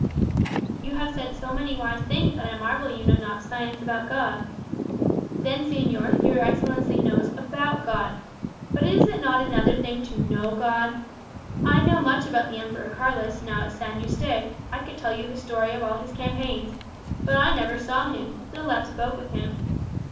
"You have said so many wise things, that I marvel you know not Science about God." "Then, señor, your Excellency knows about God. But is it not another thing to know God? I know much about the Emperor Carlos, now at San Yuste; I could tell you the story of all his campaigns. But I never saw him, still less spoke with him.